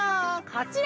こちら！